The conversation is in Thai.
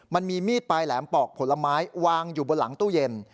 มันมีมีดปลายแหลมปอกผลไม้วางอยู่บนหลังตู้เย็น